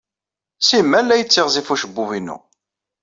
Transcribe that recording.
Simal la yettiɣzif ucebbub-inu.